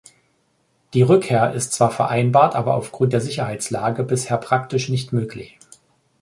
Die Rückkehr ist zwar vereinbart, aber aufgrund der Sicherheitslage bisher praktisch nicht möglich.